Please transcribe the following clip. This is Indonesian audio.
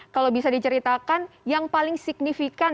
kalau bisa diceritakan yang paling signifikan